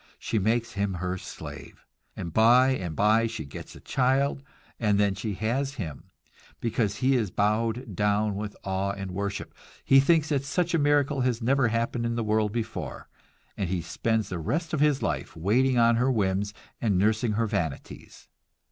She makes him her slave; and by and by she gets a child, and then she has him, because he is bowed down with awe and worship, he thinks that such a miracle has never happened in the world before, and he spends the rest of his life waiting on her whims and nursing her vanities.